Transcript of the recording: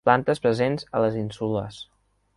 Plantes presents a les ínsules.